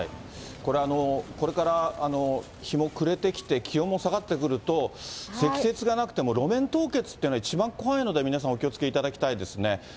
これ、これから日も暮れてきて、気温も下がってくると、積雪がなくても、路面凍結っていうのが一番怖いので、皆さん、お気をつけいただきたいですね。